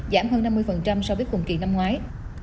giảm hơn năm mươi so với cùng kỳ năm ngoái